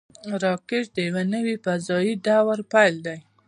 راکټ د یوه نوي فضاوي دور پیل دی